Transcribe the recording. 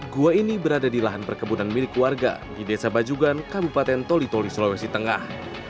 gua ini berada di lahan perkebunan milik warga di desa bajugan kabupaten toli toli sulawesi tengah